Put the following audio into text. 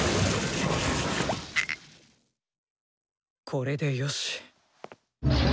これでよし。